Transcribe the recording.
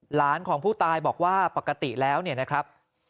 หลานของผู้ตายบอกว่าปกติแล้วเนี่ยนะครับ